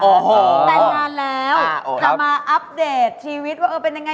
แต่งงานแล้วจะมาอัปเดตชีวิตว่าเออเป็นยังไง